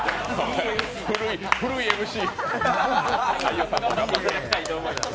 古いＭＣ。